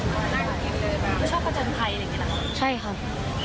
ชอบพัฒนภัยอย่างเงี้ยน่ะใช่ครับ